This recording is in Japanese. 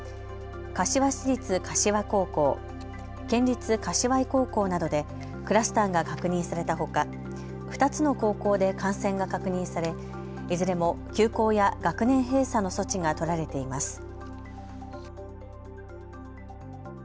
柏市立柏高校、県立柏井高校などでクラスターが確認されたほか２つの高校で感染が確認されいずれも休校や学年閉鎖の措置が取られています。